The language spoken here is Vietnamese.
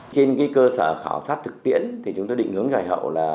trên cơ sở khảo sát thực tiễn chúng tôi định hướng dài hậu là